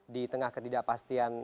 di tengah ketidakpastian